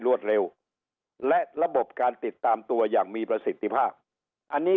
รวดเร็วและระบบการติดตามตัวอย่างมีประสิทธิภาพอันนี้